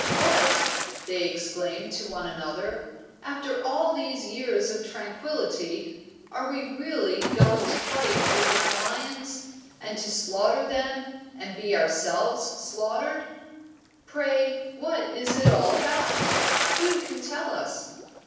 "What!" they exclaimed to one another. "After all these years of tranquillity, are we really going to fight with the Kalayans, and to slaughter them and be ourselves slaughtered! Pray, what is it all about? Who can tell us?"